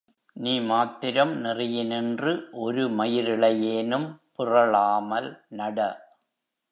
நீ மாத்திரம் நெறியினின்று ஒரு மயிரிழையேனும் பிறழாமல் நட.